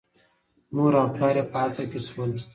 مور او پلار یې په هڅه کې شول.